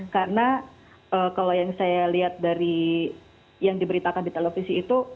karena kalau yang saya lihat dari yang diberitakan di televisi itu